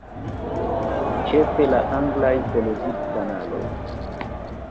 Ĉefe la anglaj televidkanaloj.